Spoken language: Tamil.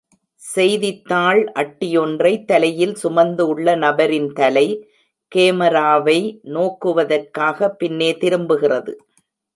செய்தித்தாள் அட்டியொன்றை தலையில் சுமந்து உள்ள நபரின் தலை கேமராவை நோக்குவற்காக பின்னே திரும்புகிறது